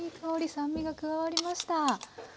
酸味が加わりました。